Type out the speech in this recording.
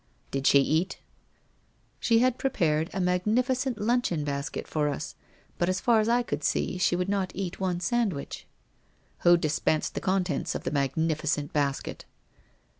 'Did she eat?' ' She had prepared a magnificent luncheon basket for us, but as far as I could see, she would not eat one sand wich/ 1 Who dispensed the contents of the magnificent bas ket?'